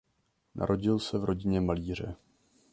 Narodil se v rodině malíře.